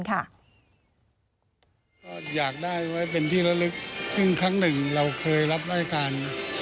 ก็อยากได้ไว้เป็นที่ละลึกซึ่งครั้งหนึ่งเราเคยรับรายการ